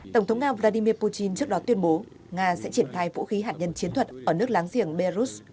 tổng thống nga vladimir putin trước đó tuyên bố nga sẽ triển khai vũ khí hạt nhân chiến thuật ở nước láng giềng belarus